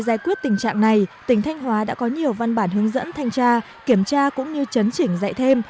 giải quyết tình trạng này tỉnh thanh hóa đã có nhiều văn bản hướng dẫn thanh tra kiểm tra cũng như chấn chỉnh dạy thêm